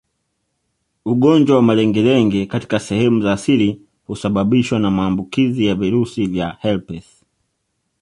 Ugonjwa wa malengelenge katika sehemu za siri husababishwa na maambukizi ya virusi vya herpes